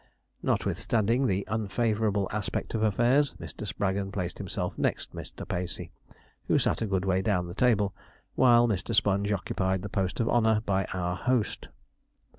Notwithstanding the unfavourable aspect of affairs, Mr. Spraggon placed himself next Mr. Pacey, who sat a good way down the table, while Mr. Sponge occupied the post of honour by our host.